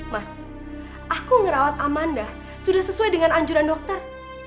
mas aku ngerawat amanah sudah sesuai dengan anjuran dokter